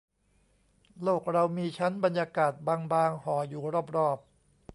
โลกเรามีชั้นบรรยากาศบางบาง ห่ออยู่รอบรอบ